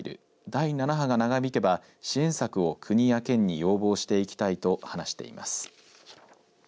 第７波が長引けば支援策を国や県に要望していきたいと話しています。